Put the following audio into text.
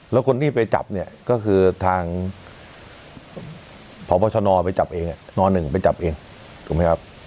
แล้วคนที่ไปจับเนี่ยก็คือทางพบชนไปจับเองน๑ไปจับเองถูกไหมครับ